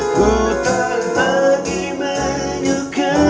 ku tak lagi menyuka